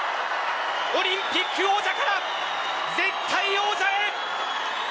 オリンピック王者から絶対王者へ。